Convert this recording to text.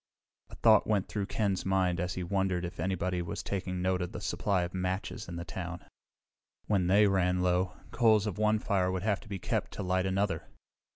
A thought went through Ken's mind and he wondered if anybody was taking note of the supply of matches in town. When they ran low, coals of one fire would have to be kept to light another.